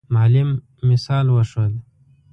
معلم مثال وښود.